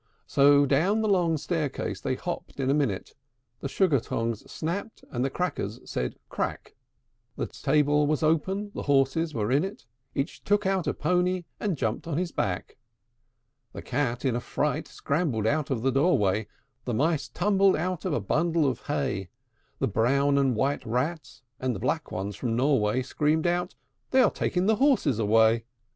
III. So down the long staircase they hopped in a minute; The Sugar tongs snapped, and the Crackers said "Crack!" The stable was open; the horses were in it: Each took out a pony, and jumped on his back. The Cat in a fright scrambled out of the doorway; The Mice tumbled out of a bundle of hay; The brown and white Rats, and the black ones from Norway, Screamed out, "They are taking the horses away!"